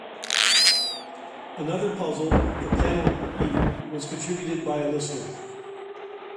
Another puzzle, the Panel Beater, was contributed by a listener.